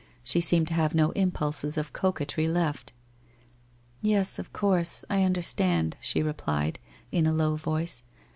She seemed to have no impulses of coquetry left. ' Yes, of course, I understand.' she replied, in a low voice.